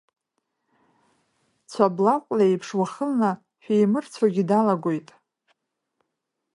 Цәаблаҟә леиԥш, уахынла шәимырцәогьы далагоит.